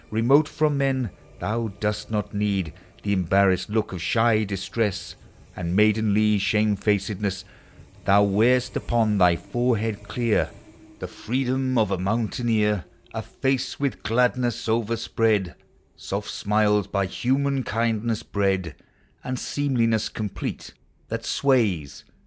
Remote from men, thou dost not need The embarrassed look of shy distress, And maidenly shamefacedness : Thou wear'st upon thy forehead clear The freedom of a inountaiueer ; A face with gladness overspread, Soft smiles, by human kindness bred; And seemliness complete, that sways POEMS OF HOME.